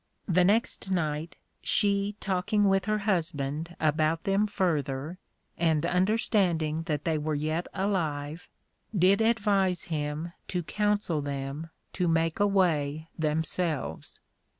The next night she talking with her Husband about them further, and understanding that they were yet alive, did advise him to counsel them to make away themselves.